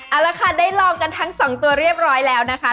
เอาละค่ะได้ลองกันทั้งสองตัวเรียบร้อยแล้วนะคะ